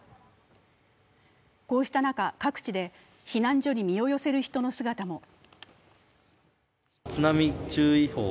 こうした中、各地で避難所に身を寄せる人の姿も。